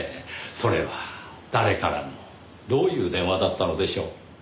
それは誰からのどういう電話だったのでしょう？